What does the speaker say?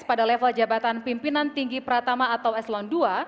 pada level jabatan pimpinan tinggi pratama atau eslon dua